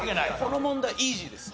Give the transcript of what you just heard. この問題イージーです。